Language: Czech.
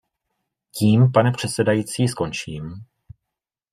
Tím, pane předsedající, skončím.